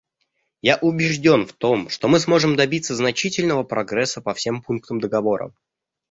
Я убежден в том, что мы сможем добиться значительного прогресса по всем пунктам договора.